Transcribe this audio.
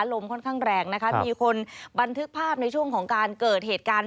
ลมค่อนข้างแรงนะคะมีคนบันทึกภาพในช่วงของการเกิดเหตุการณ์